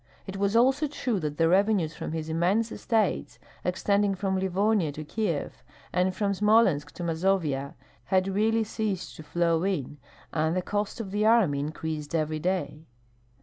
It was also true that the revenues from his immense estates, extending from Livonia to Kieff and from Smolensk to Mazovia, had really ceased to flow in, and the cost of the army increased every day.